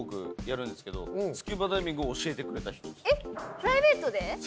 プライベート。